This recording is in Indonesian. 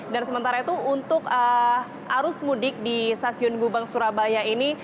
dan sementara itu untuk arus mudik di stasiun gubeng surabaya ini